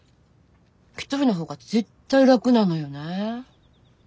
１人の方が絶対ラクなのよねぇ。